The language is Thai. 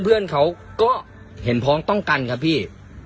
เพื่อนเขาก็เห็นพ้องต้องกันครับพี่